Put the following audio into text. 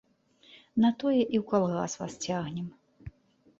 На тое і ў калгас вас цягнем.